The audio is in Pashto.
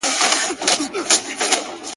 د شرابو په محفل کي مُلا هم په گډا – گډ سو ـ